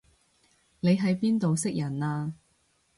你喺邊度識人啊